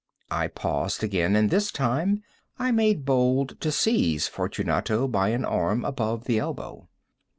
I paused again, and this time I made bold to seize Fortunato by an arm above the elbow.